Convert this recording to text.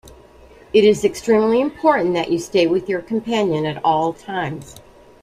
It is extremely important that you stay with your companion at all times.